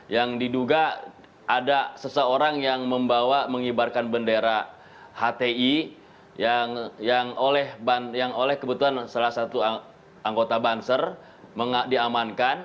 yang diduga ada seseorang yang membawa mengibarkan bendera hti yang oleh kebetulan salah satu anggota banser diamankan